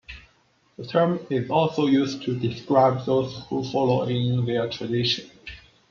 The term is also used to describe those who follow in their tradition.